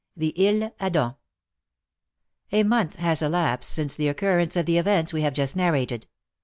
THE ISLE ADAM. A month has elapsed since the occurrence of the events we have just narrated.